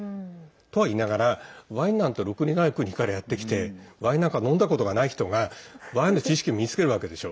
とはいいながら、ワインなんてろくにない国からやってきてワインなんか飲んだことがない人がワインの知識身につけるわけでしょ。